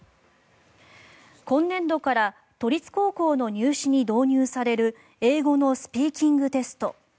今年度から都立高校の入試に導入される英語のスピーキングテスト。